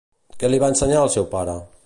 Què li va ensenyar el seu pare?